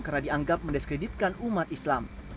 karena dianggap mendiskreditkan umat islam